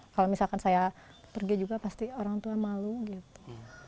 kalau misalkan saya pergi juga pasti orang tua malu gitu